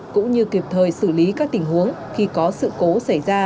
cũng như kịp thời xử lý các tình huống khi có sự cố xảy ra